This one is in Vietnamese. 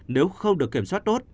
nếu không được kiểm soát tốt